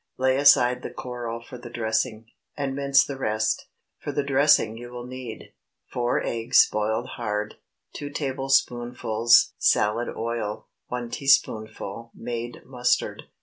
Lay aside the coral for the dressing, and mince the rest. For the dressing you will need— 4 eggs, boiled hard. 2 tablespoonfuls salad oil. 1 teaspoonful made mustard.